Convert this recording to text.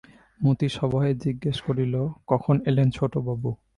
মতি সভয়ে জিজ্ঞাসা করিল, কখন এলেন ছোটবাবু?